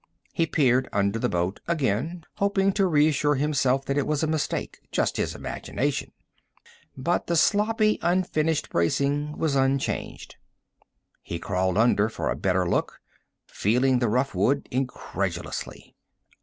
He peered under the boat again, hoping to reassure himself that it was a mistake, just his imagination. But the sloppy, unfinished bracing was unchanged. He crawled under for a better look, feeling the rough wood incredulously.